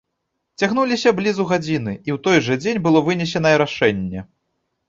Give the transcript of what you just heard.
Цягнуліся блізу гадзіны, і ў той жа дзень было вынесенае рашэнне.